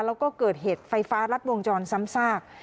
แล้วก็เกิดเหตุไฟฟ้ารัดวงจรซ้ำซาก